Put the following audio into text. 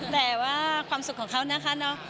แต่ว่าความสุขของเขานะคะเนอะ